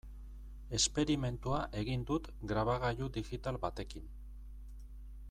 Esperimentua egin dut grabagailu digital batekin.